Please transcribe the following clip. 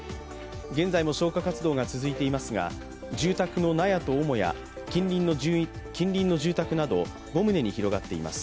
現在も消火活動が続いていますが、住宅の納屋と母屋近隣の住宅など５棟に広がっています。